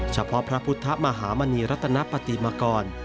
เฉพาะพระพุทธมหามณีรัตนปฏิมากร